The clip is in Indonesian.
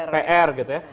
pr gitu ya